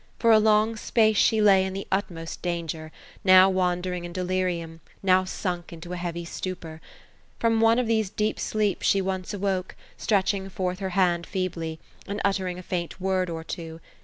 For a long space she lay in the utmost danger, now wandering in delirium, now sunk into a heavy stupor. From one of these deep sleeps, she once awoke, stretching forth her hand feebly, and uttering a faint word or two.